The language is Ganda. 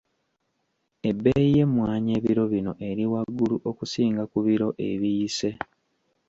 Ebbeeyi y'emmwanyi ebiro bino eri waggulu okusinga ku biro ebiyise.